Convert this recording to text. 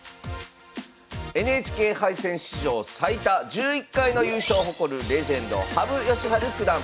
ＮＨＫ杯戦史上最多１１回の優勝を誇るレジェンド羽生善治九段。